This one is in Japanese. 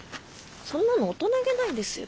そんなの大人気ないですよ。